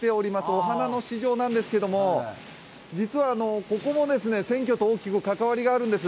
お花の市場なんですけど実はここも選挙と大きく関わりがあるんです。